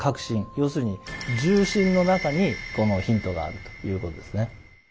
要するに銃身の中にヒントがあるということですね。